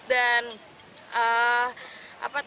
dan banyak yang menarik